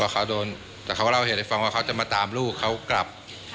เขาโดนแต่เขาเล่าเหตุให้ฟังว่าเขาจะมาตามลูกเขากลับ